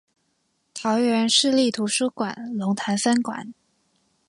桃園市立圖書館龍潭分館